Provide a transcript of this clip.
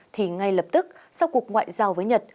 thì ngay lập tức sau cuộc ngoại giao với nhật